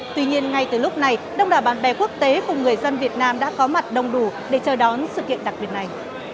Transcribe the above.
tuy nhiên ngay từ lúc này đông đảo bạn bè quốc tế cùng người dân việt nam đã có mặt đông đủ để chờ đón sự kiện đặc biệt này